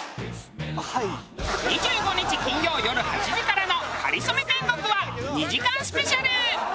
２５日金曜よる８時からの『かりそめ天国』は２時間スペシャル！